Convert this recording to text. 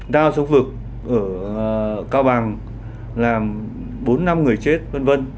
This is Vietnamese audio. đao trong vực ở cao bằng làm bốn năm người chết v v